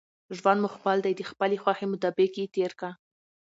ژوند مو خپل دئ، د خپلي خوښي مطابق ئې تېر که!